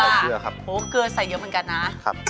โอ้วเกลือใส่เยอะเหมือนกันนะ